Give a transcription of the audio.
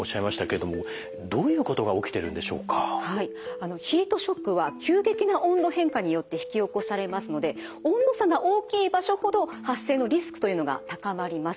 あのヒートショックは急激な温度変化によって引き起こされますので温度差が大きい場所ほど発生のリスクというのが高まります。